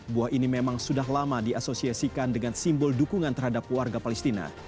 buah ini memang sudah lama diasosiasikan dengan simbol dukungan terhadap warga palestina